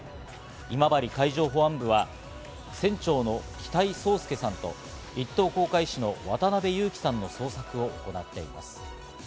今治海上保安部は船長の北井宗佑と、一等航海士のワタナベユウキさんの捜索を行っています。